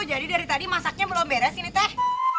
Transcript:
jadi dari tadi masaknya belum beres ini teh